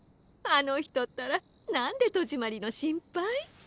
あのひとったらなんでとじまりのしんぱい？